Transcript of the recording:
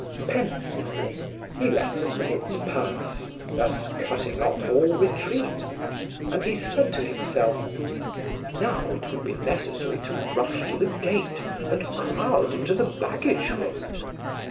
Pensively, he let the minutes pass, thus cutting off all retreat, and he said to himself, "Now it would be necessary to rush to the gate and crowd into the baggage room!